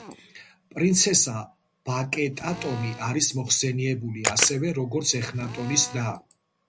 პრინცესა ბაკეტატონი არის მოხსენიებული ასევე, როგორც ეხნატონის და.